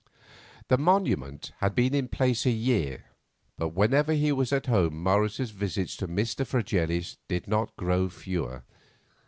The monument had been in place a year, but whenever he was at home Morris's visits to Mr. Fregelius did not grow fewer.